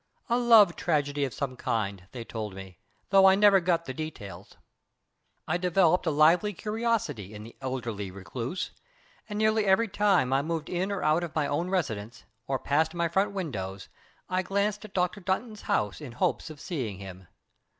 "A love tragedy of some kind, they told me, though I never got the details." I developed a lively curiosity in the elderly recluse, and nearly every time I moved in or out of my own residence, or passed my front windows, I glanced at Dr. Dunton's house in hopes of seeing him.